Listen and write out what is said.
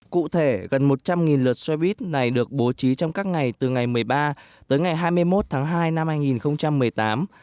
cụ thể gần một trăm linh lượt xe buýt này được bố trí trong các ngày từ ngày một mươi ba tới ngày hai mươi một tháng hai năm hai nghìn một mươi tám